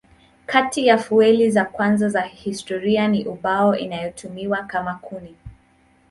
Kati ya fueli za kwanza za historia ni ubao inayotumiwa kama kuni.